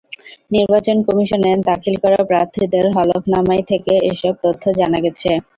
নির্বাচন কমিশনে দাখিল করা প্রার্থীদের হলফনামায় থেকে এসব তথ্য জানা গেছে।